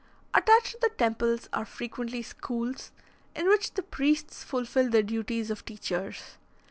Attached to the temples are frequently schools, in which the priests fulfil the duties of teachers.